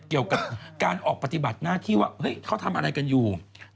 เกี่ยวกับการออกปฏิบัติหน้าที่ว่าเฮ้ยเขาทำอะไรกันอยู่